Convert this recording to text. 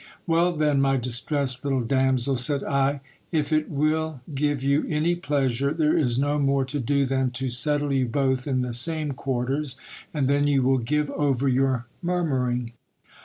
Well then, my distressed little damsel, said I, if it will give you any pleasure, there is no more to do than to settle vou both in the same quarters, and then you will give over your murmur ing.